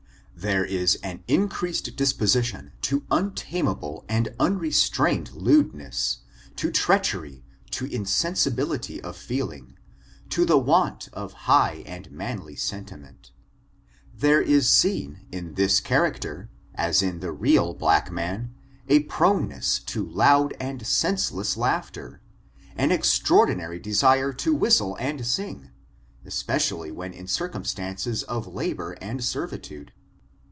There is an increased disposition to untameable and unrestrained lewdness, to treachery, to insensi bility of feeling, to a want of high and manly senti ment There is seen in this character, as in the real black, a proneness to loud and senseless laughter, an extraordinary desire to whistle and sing, especially when in circumstances of labor and servitude.